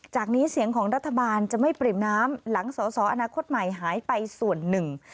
นี้เสียงของรัฐบาลจะไม่ปริ่มน้ำหลังสอสออนาคตใหม่หายไปส่วนหนึ่ง